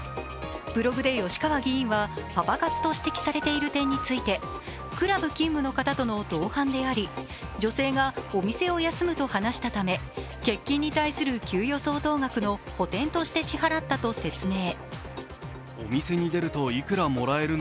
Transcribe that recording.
ブログで吉川議員は、パパ活と指摘されている点について、クラブ勤務の方との同伴であり女性がお店を休むと話したため欠勤に対する給与相当額の補填として支払ったと説明。